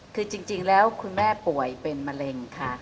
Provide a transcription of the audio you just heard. คือจริงแล้วคุณแม่ป่วยเป็นมะเร็งค่ะ